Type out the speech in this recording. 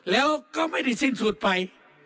แล้วก็ไม่ได้สิ้นสุดไป